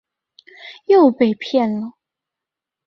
又被骗了